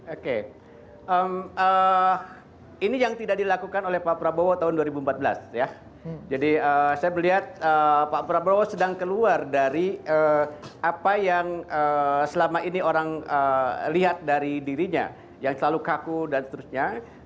oke ini yang tidak dilakukan oleh pak prabowo tahun dua ribu empat belas ya jadi saya melihat pak prabowo sedang keluar dari apa yang selama ini orang lihat dari dirinya yang selalu kaku dan seterusnya